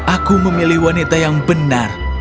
aku memilih wanita yang benar